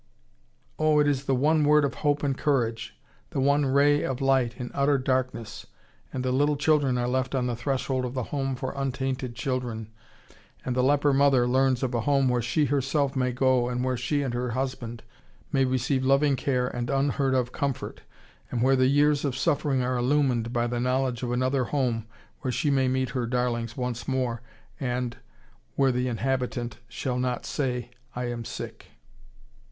Oh, it is the one word of hope and courage, the one ray of light in utter darkness, and the little children are left on the threshold of the Home for Untainted Children, and the leper mother learns of a Home where she herself may go and where she and her husband may receive loving care and unheard of comfort, and where the years of suffering are illumined by the knowledge of another Home where she may meet her darlings once more, and "where the inhabitant shall not say, I am sick."